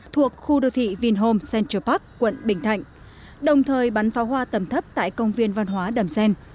thuộc khu đô thị vinhome central park quận bình thạnh đồng thời bắn pháo hoa tầm thấp tại công viên văn hóa đầm xen